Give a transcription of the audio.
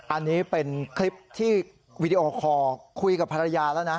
อันนี้เป็นคลิปที่วีดีโอคอร์คุยกับภรรยาแล้วนะ